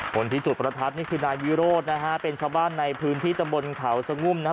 คนที่จุดประทัดนี่คือนายวิโรธนะฮะเป็นชาวบ้านในพื้นที่ตำบลเขาสงุ่มนะฮะ